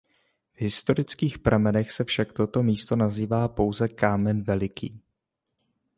V historických pramenech se však toto místo nazývá pouze Kámen "Veliký".